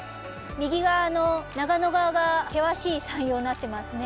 右側の長野側が険しい山容になってますね。